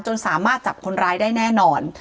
สามารถจับคนร้ายได้แน่นอน